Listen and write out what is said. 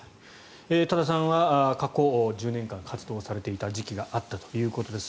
多田さんは過去１０年間活動されていた時期があったということです。